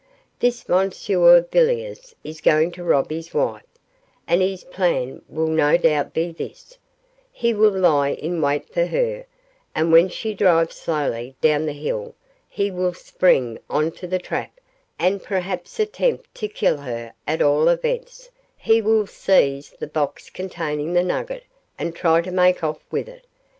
This M. Villiers is going to rob his wife, and his plan will no doubt be this: he will lie in wait for her, and when she drives slowly down the hill, he will spring on to the trap and perhaps attempt to kill her; at all events, he will seize the box containing the nugget, and try to make off with it.